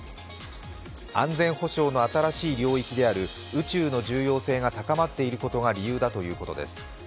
安全保障の新しい領域である宇宙の重要性が高まっていることが理由だということです。